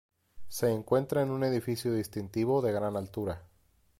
Se encuentra en un edificio distintivo de gran altura.